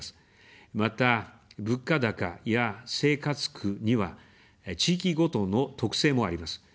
また、物価高や生活苦には地域ごとの特性もあります。